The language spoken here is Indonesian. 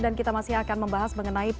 dan kita masih akan membahas mengenai